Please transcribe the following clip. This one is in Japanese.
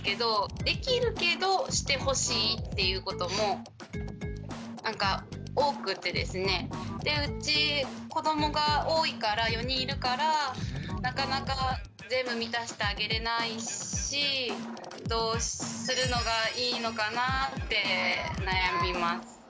できるけどしてほしいっていうこともなんか多くてですねでうち子どもが多いから４人いるからなかなか全部満たしてあげれないしどうするのがいいのかなぁって悩みます。